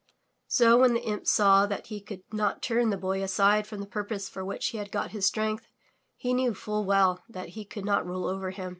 So, when the imp saw that he could not turn the Boy aside from the purpose for which he had got his strength, he knew full well that he could not rule over him.